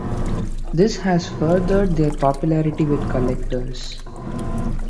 This has furthered their popularity with collectors.